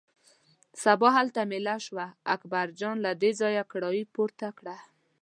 سبا هلته مېله شوه، اکبرجان له دې ځایه کړایی پورته کړه.